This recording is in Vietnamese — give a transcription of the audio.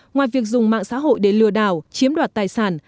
ngoài việc dùng mạng xã hội để lừa đảo chiếm đoạt tài sản